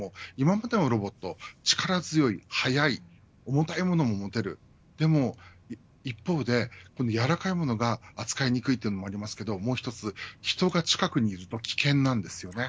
今までのロボット、力強い、速い重たいものを持てるでも一方でやわらかいものが扱いにくいというものもありますがもう一つ、人が近くにいると危険なんです。